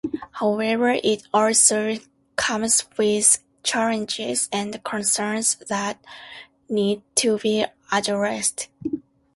However, it also comes with challenges and concerns that need to be addressed.